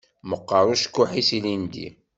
Meqqeṛ ucekkuḥ-is ilindi.